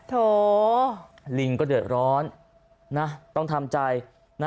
โถลิงก็เดือดร้อนนะต้องทำใจนะ